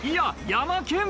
ヤマケン。